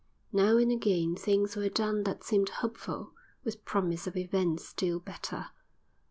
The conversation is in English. Now and again things were done that seemed hopeful, with promise of events still better.